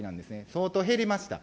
相当減りました。